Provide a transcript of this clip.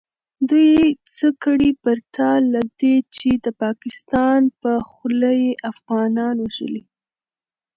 دوئ څه کړي پرته له دې چې د پاکستان په خوله يې افغانان وژلي .